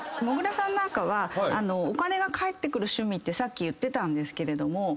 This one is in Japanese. もぐらさんなんかはお金が返ってくる趣味ってさっき言ってたんですけれども。